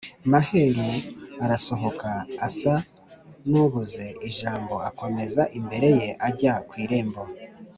Maheru arasohokaAsa n’ubuze ijamboAkomeza imbere ye ajya ku irembo